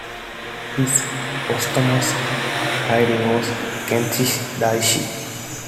His posthumous title was Kenshin Daishi.